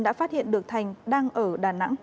đã phát hiện được thành đang ở đà nẵng